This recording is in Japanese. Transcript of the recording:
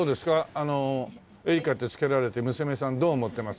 あの「恵李家」って付けられて娘さんどう思ってます？